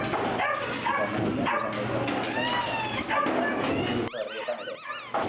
Musika emanaldiak izango dira mendietan eta baita mendien inguruko herrietan ere.